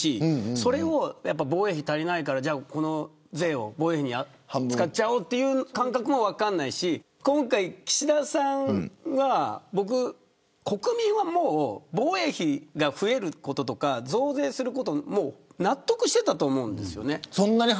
それを防衛費が足りないからこの税を防衛費に充てようっていう感覚も分からないし国民は防衛費が増えることとか増税することは納得していたと思うんですよね。